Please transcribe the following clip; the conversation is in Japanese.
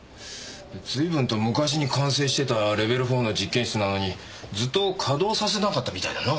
随分と昔に完成してたレベル４の実験室なのにずっと稼動させなかったみたいだな。